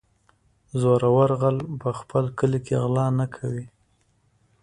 زورور غل په خپل کلي کې غلا نه کوي.